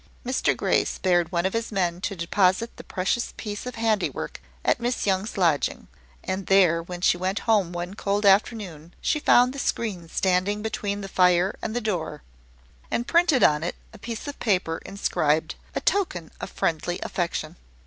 Mr Grey spared one of his men to deposit the precious piece of handiwork at Miss Young's lodging; and there, when she went home one cold afternoon, she found the screen standing between the fire and the door, and, pinned on it, a piece of paper, inscribed, "A Token of friendly Affection."